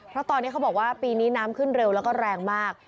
เพราะตอนนี้เขาบอกว่าปีนี้น้ำขึ้นเร็วแล้วก็แรงมาก